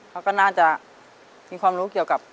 เขาก็น่าจะมีความรู้เกี่ยวกับ